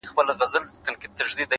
دغه ياغي خـلـگـو بــه منـلاى نـــه ـ